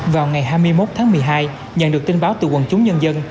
vào ngày hai mươi một tháng một mươi hai nhận được tin báo từ quần chúng nhân dân